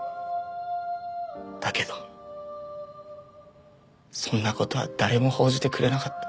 だけどそんな事は誰も報じてくれなかった。